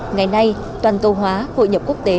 ngày nay toàn câu hóa hội nhập quốc tế